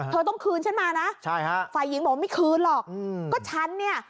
เธอต้องคืนฉันมานะฝ่ายหญิงบอกว่าไม่คืนหรอกใช่ค่ะ